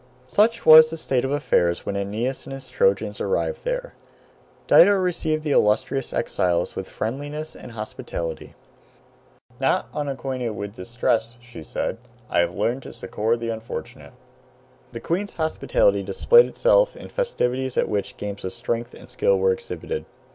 Such was the state of affairs when Aeneas with his Trojans arrived there. Dido received the illustrious exiles with friendliness and hospitality. "Not unacquainted with distress," she said, "I have learned to succor the unfortunate." [Footnote: See Proverbial Expressions.] The queen's hospitality displayed itself in festivities at which games of strength and skill were exhibited.